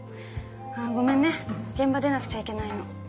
ごめんね現場出なくちゃいけないの。